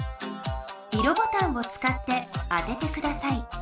色ボタンをつかって当ててください。